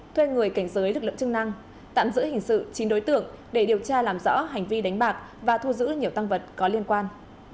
thuê người cảnh giới lực lượng chức năng tạm giữ hình sự chín đối tượng để điều tra làm rõ hành vi đánh bạc và thu giữ nhiều tăng vật có liên quan